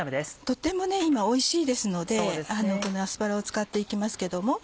とても今おいしいですのでこのアスパラを使って行きますけども。